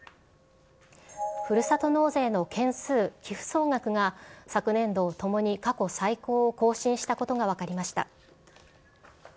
ふるさと納税の件数、寄付総額が、昨年度ともに過去最高を更新したことが分かりました。